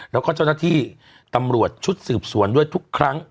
แล้วก็เจ้าหน้าที่ตำรวจชุดสืบสวนด้วยทุกครั้ง